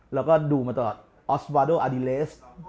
แล้วก็ดูมาตลอดออสวาโดอาดิเลส